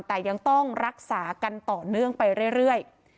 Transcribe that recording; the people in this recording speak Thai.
แต่ยังต้องรักษากันต่อเนื่องไปเรื่อย